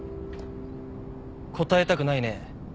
答えたくないね。